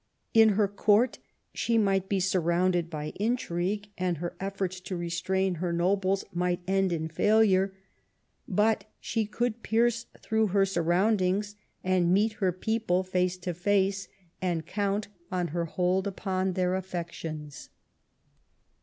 In her Court she might be surrounded by intrigue, and her efforts to restrain her nobles might end in failure; but she could pierce through her surroundings and meet her people face to face, and count on her hold upon their affections.